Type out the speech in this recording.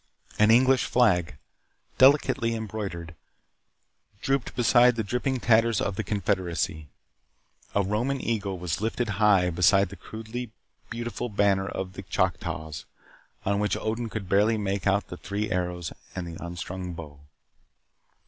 An English flag, delicately embroidered, drooped beside the dripping tatters of the Confederacy. A Roman eagle was lifted high beside the crudely beautiful banner of the Choctaws on which Odin could barely make out the three arrows and the unstrung bow.